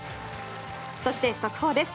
そして、速報です。